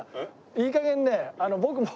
いい加減ね僕も。